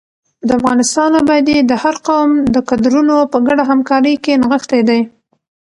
د افغانستان ابادي د هر قوم د کدرونو په ګډه همکارۍ کې نغښتې ده.